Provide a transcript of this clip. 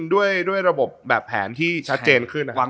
ด้วยระบบแผนที่ชัดเจน